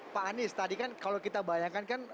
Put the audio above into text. pak anies tadi kan kalau kita bayangkan kan